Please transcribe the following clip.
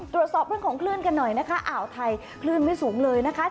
ตรวจสอบของความขึ้นกันหน่อยนะคะอ่าวไทยโคหรไม่สูงเลยนะคะ